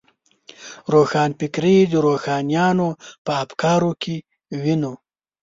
روښانفکري د روښانیانو په افکارو کې وینو.